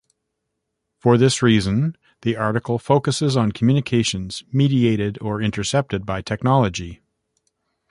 For this reason, this article focusses on communications mediated or intercepted by technology.